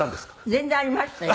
全然ありましたよ。